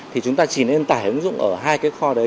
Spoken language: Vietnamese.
thì chúng ta chỉ nên tải ứng dụng ở hai cái kho đấy